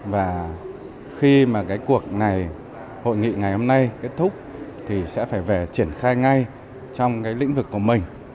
và khi mà cái cuộc hội nghị ngày hôm nay kết thúc thì sẽ phải triển khai ngay trong cái lĩnh vực của mình